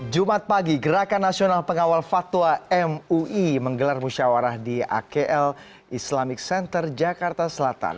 jumat pagi gerakan nasional pengawal fatwa mui menggelar musyawarah di akl islamic center jakarta selatan